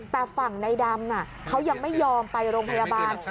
แต่ฝั่งในดำเขายังไม่ยอมไปโรงพยาบาล